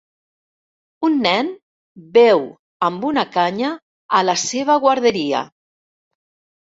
Un nen beu amb una canya a la seva guarderia.